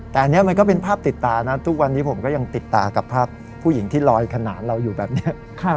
แต่อันนี้มันก็เป็นภาพติดตานะทุกวันนี้ผมก็ยังติดตากับภาพผู้หญิงที่ลอยขนาดเราอยู่แบบนี้